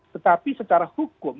tetapi secara hukum